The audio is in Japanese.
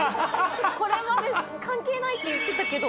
これまで関係ないって言ってたけど勝ち負け。